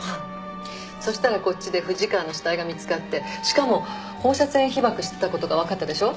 そしたらこっちで藤川の死体が見つかってしかも放射線被ばくしてたことが分かったでしょ。